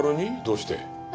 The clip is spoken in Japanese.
どうして？